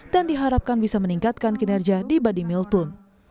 dan diharapkan bisa meningkatkan kinerja di badimiltun